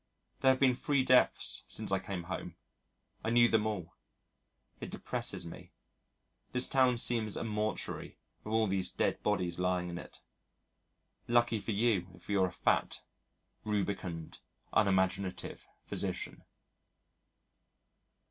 There have been three deaths since I came home I knew them all. It depresses me. The town seems a mortuary with all these dead bodies lying in it. Lucky for you, if you're a fat, rubicund, unimaginative physician.